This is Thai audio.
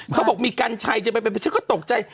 เค้าบอกกัญชัยจะเป็นฉันก็ตกใจ